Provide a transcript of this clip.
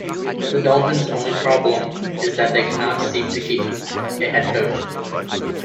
The Dolphins' only problem is that they cannot seem to keep a head coach.